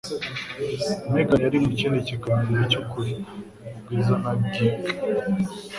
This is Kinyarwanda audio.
Megan yari mu kindi kiganiro cyukuri, Ubwiza na Geek.